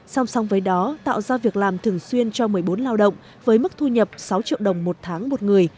song song với đó tạo ra việc làm thường xuyên cho một mươi bốn lao động với mức thu nhập sáu triệu đồng một tháng một người